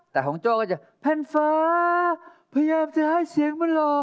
แต่ของโจ้ก็จะแพ่นฟ้าพยายามจะให้เสียงมันหล่อ